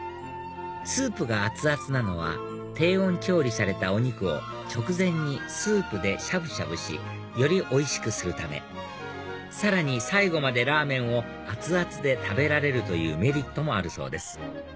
スープが熱々なのは低温調理されたお肉を直前にスープでしゃぶしゃぶしよりおいしくするためさらに最後までラーメンを熱々で食べられるというメリットもあるそうです